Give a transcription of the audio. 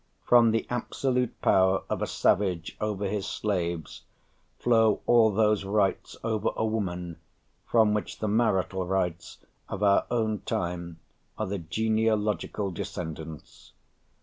From the absolute power of a savage over his slaves flow all those rights over a woman from which the marital rights of our own time are the genealogical descendants....